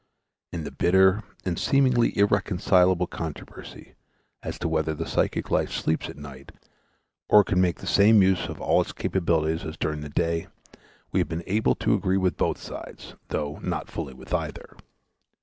In the bitter and seemingly irreconcilable controversy as to whether the psychic life sleeps at night or can make the same use of all its capabilities as during the day, we have been able to agree with both sides, though not fully with either.